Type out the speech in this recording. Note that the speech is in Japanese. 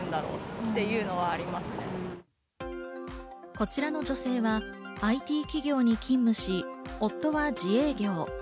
こちらの女性はＩＴ企業に勤務し、夫は自営業。